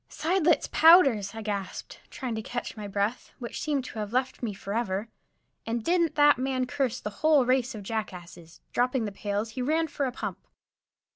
"Seidlitz powders!" I gasped, trying to catch my breath, which seemed to have left me forever. And didn't that man curse the whole race of jackasses! Dropping the pails, he ran for a pump.